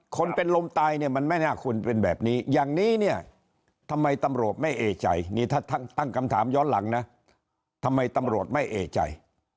คนเป็นลมตายเนี่ยมันไม่น่าควรเป็นแบบนี้อย่างนี้เนี่ยทำไมตำรวจไม่เอกใจนี่ถ้าตั้งคำถามย้อนหลังนะทำไมตำรวจไม่เอกใจ